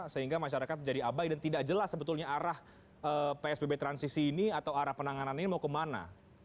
sehingga masyarakat jadi abai dan tidak jelas sebetulnya arah psbb transisi ini atau arah penanganan ini mau kemana